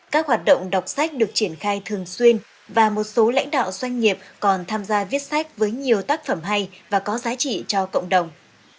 các hoạt động đọc sách được triển khai thường xuyên và một số lãnh đạo doanh nghiệp còn tham gia viết sách với nhiều tác phẩm hay và có giá trị cho cộng đồng